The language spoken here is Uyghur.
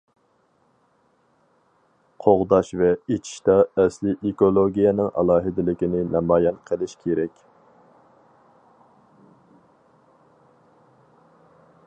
قوغداش ۋە ئېچىشتا ئەسلىي ئېكولوگىيەنىڭ ئالاھىدىلىكىنى نامايان قىلىش كېرەك.